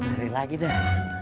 mari lagi dah